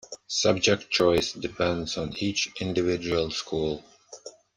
Subject choice depends on each individual school.